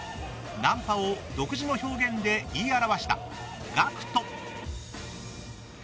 ナンパを独自の表現で言い表したＧＡＣＫＴ。